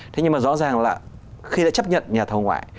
thế nhưng mà rõ ràng là khi đã chấp nhận nhà thầu ngoại